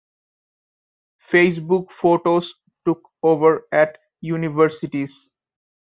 Facebook photos took over at universities.